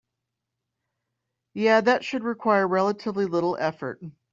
Yeah, that should require relatively little effort.